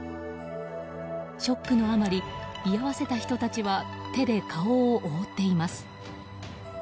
ショックのあまり居合わせた人たちは手で顔を覆っています。